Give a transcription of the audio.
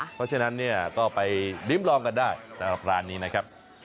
เพราะฉะนั้นเนี่ยก็ไปริ้มลองกันได้สำหรับร้านนี้นะครับ